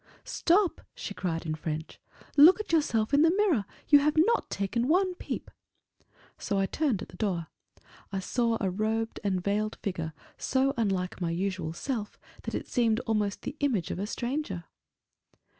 "Stop!" she cried in French, "Look at yourself in the mirror; you have not taken one peep." So I turned at the door. I saw a robed and veiled figure, so unlike my usual self that it seemed almost the image of a stranger.